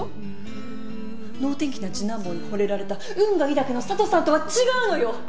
能天気な次男坊にほれられた運がいいだけの佐都さんとは違うのよ。